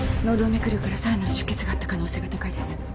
脳動脈瘤から更なる出血があった可能性が高いです。